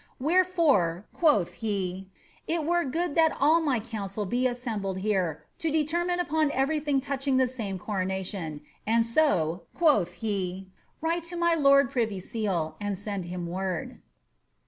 ^ Wherefore,' quoth he, ^ it were good that all my council be assembled here to determine upon every thing touchini the same coronation ; and so,' quoth he, ^ write to my lord privy seal and send him word.'